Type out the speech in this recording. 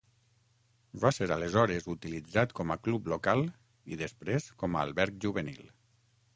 Va ser aleshores utilitzat com a club local i després com a alberg juvenil.